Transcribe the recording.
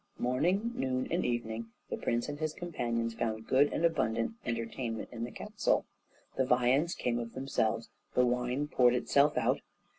Morning, noon, and evening the prince and his companions found good and abundant entertainment in the castle; the viands came of themselves, the wine poured itself out.